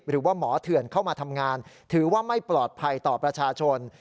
หรือว่าหมอเถื่อนเข้ามาทำงานถือว่าไม่ปลอดภัยต่อประชาชน